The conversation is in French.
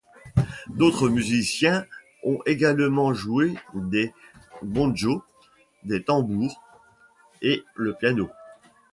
D'autres musiciens ont également joué des bongós, des tambours et le piano.